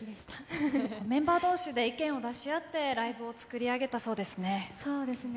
メンバー同士で意見を出し合ってライブを作り上げたそうですね。